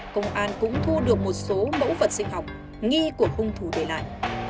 công an cũng thu được một số mẫu vật sinh học nghi của hung thủ để lại